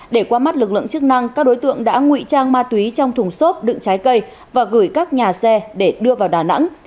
để qua mắt lực lượng chức năng các đối tượng đã ngụy trang ma túy trong thùng xốp đựng trái cây và gửi các nhà xe để đưa vào đà nẵng